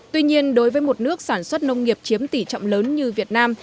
tuy nhiên đối với một nước sản xuất nông nghiệp chiếm tỷ trọng lớn như việt nam